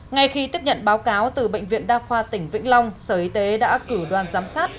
ngay khi tiếp nhận báo cáo từ bệnh viện đa khoa tỉnh vĩnh long sở y tế đã cử đoàn giám sát